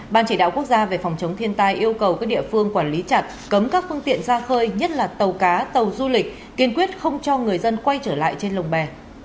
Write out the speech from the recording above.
ban chỉ đạo quốc gia về phòng chống thiên tai yêu cầu các địa phương quản lý chặt cấm các phương tiện ra khơi nhất là tàu cá tàu du lịch kiên quyết không cho người dân quay trở lại trên lồng bè